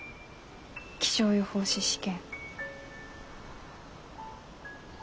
気象予報士試験。